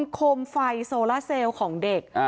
โคมไฟโซล่าเซลของเด็ก